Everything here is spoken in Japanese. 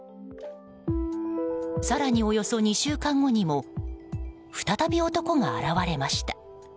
更に、およそ２週間後にも再び男が現れました。